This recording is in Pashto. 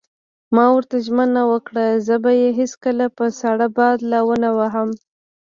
ما ورته ژمنه وکړه: زه به یې هېڅکله په ساړه باد لا ونه وهم.